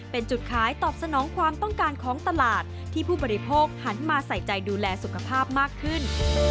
เป็นจุดขายตอบสนองความต้องการของตลาดที่ผู้บริโภคหันมาใส่ใจดูแลสุขภาพมากขึ้น